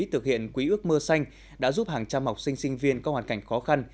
thực hiện quý ước mưa xanh đã giúp hàng trăm học sinh sinh viên có hoàn cảnh khó khăn